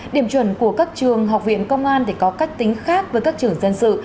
điểm chuẩn của các trường học viện công an có cách tính khác với các trường dân sự